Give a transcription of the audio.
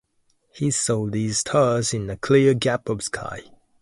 He saw these stars in a clear gap of sky.